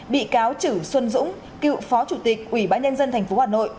bị cáo chử xuân dũng cựu phó chủ tịch ủy ban nhân dân tp hà nội